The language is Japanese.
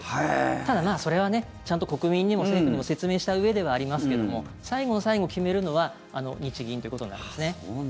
ただ、それはねちゃんと国民にも政府にも説明したうえではありますけども最後の最後、決めるのは日銀ということなんですね。